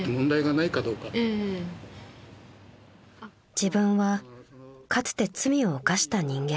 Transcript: ［自分はかつて罪を犯した人間］